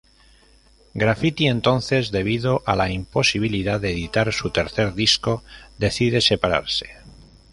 Graffiti entonces, debido a la imposibilidad de editar su tercer disco, decide separarse.